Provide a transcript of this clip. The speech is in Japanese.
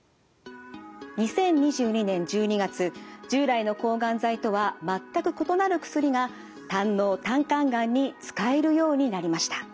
２０２２年１２月従来の抗がん剤とは全く異なる薬が胆のう・胆管がんに使えるようになりました。